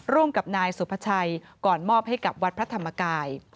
ร่วมกับนายสุภาชัยก่อนมอบให้กับวัดพระธรรมกาย